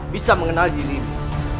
bisa mengenal dirimu